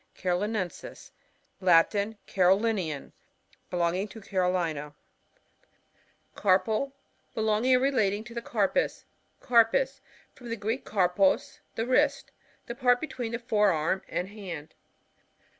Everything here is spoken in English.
Carolinensis. — Latin. Carolinian. Belonging to Carolina. Carpal. — Belonging or relating to the carpus. Carpus.— From the Greek, karpot^ the wrist The part between tiie fore arm and hand.